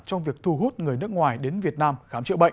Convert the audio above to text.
trong việc thu hút người nước ngoài đến việt nam khám chữa bệnh